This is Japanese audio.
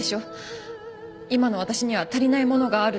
今の私には足りないものがあるって。